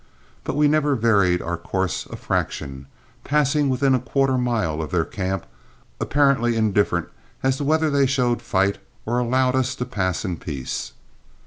But we never varied our course a fraction, passing within a quarter mile of their camp, apparently indifferent as to whether they showed fight or allowed us to pass in peace.